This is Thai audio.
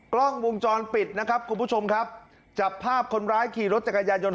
กล้องวงจรปิดนะครับคุณผู้ชมครับจับภาพคนร้ายขี่รถจักรยานยนต